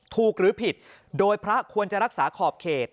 หรือผิดโดยพระควรจะรักษาขอบเขต